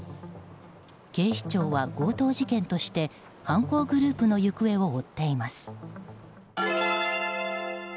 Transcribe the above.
警視庁は強盗事件として犯行グループの行方を追っています。